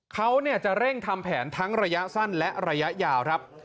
เขาจะเร่งทำแผนทั้งระยะสั้นและระยะยาวครับ